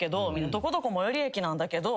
どこどこ最寄り駅なんだけど。